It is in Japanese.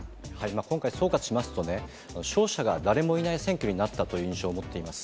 今回、総括しますとね、勝者が誰もいない選挙になったという印象を持っています。